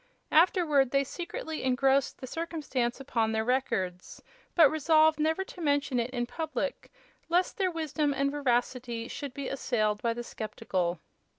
Afterward they secretly engrossed the circumstance upon their records, but resolved never to mention it in public, lest their wisdom and veracity should be assailed by the skeptical.